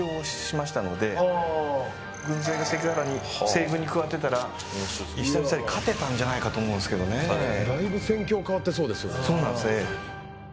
軍勢が関ヶ原に西軍に加わってたら石田三成勝てたんじゃないかと思うんすけどねだいぶ戦況変わってそうそうなんですええ